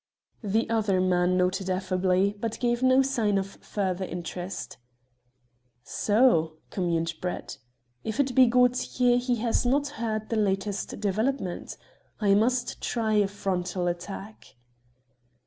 The other man nodded affably, but gave no sign of further interest. "So," communed Brett, "if it be Gaultier, he has not heard the latest developments. I must try a frontal attack."